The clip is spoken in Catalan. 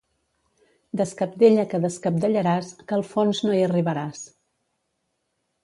Descabdella que descabdellaràs, que al fons no hi arribaràs.